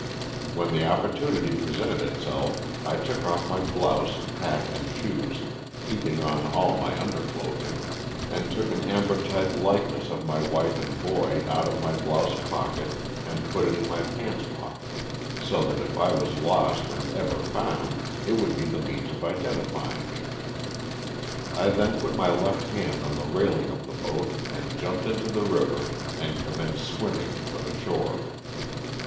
When the opportunity presented itself I took off my blouse, hat and shoes, keeping on all my underclothing, and took an ambrotype likeness of my wife and boy, out of my blouse pocket and put it in my pants pocket so that if I was lost and ever found it would be the means of identifying me. I then put my left hand on the railing of the boat and jumped into the river and commenced swimming for the shore.